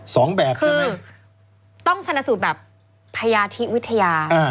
สองแบบใช่ไหมต้องชนะสูตรแบบพยาธิวิทยา